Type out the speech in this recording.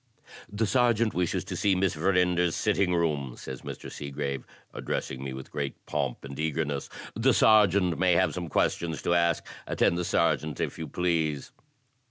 "The Sergeant wishes to see Miss Verinder*s sitting room," says Mr. Seegrave, addressing me with great pomp and eagerness. "The Sergeant may have some questions to ask. Attend the Sergeant, if you please!"